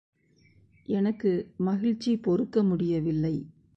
எனக்கு மகிழ்ச்சி பொறுக்க முடியவில்லை.